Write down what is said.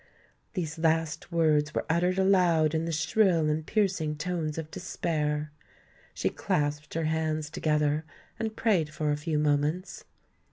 These last words were uttered aloud in the shrill and piercing tones of despair. She clasped her hands together, and prayed for a few moments.